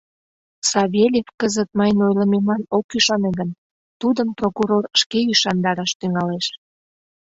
Савельев кызыт мыйын ойлымемлан ок ӱшане гын, тудым прокурор шке ӱшандараш тӱҥалеш.